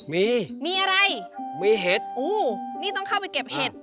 มีมีอะไรมีเห็ดอู้นี่ต้องเข้าไปเก็บเห็ด